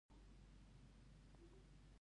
چې کله انسان خپل وجود الرټ کول غواړي